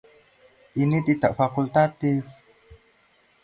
Ini tidak fakultatif.